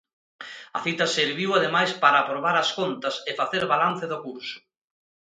A cita serviu ademais para aprobar as contas e facer balance do curso.